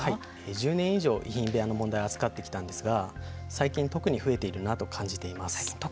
１０年以上遺品部屋の問題を扱ってきたんですが最近、特に増えているなと感じています。